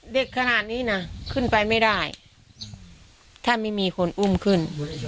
เด็กขนาดนี้นะขึ้นไปไม่ได้ถ้าไม่มีคนอุ้มขึ้น